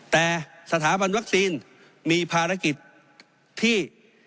แต่สถาบันวัคซีนมีภารกิจที่